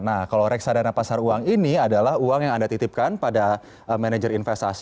nah kalau reksadana pasar uang ini adalah uang yang anda titipkan pada manajer investasi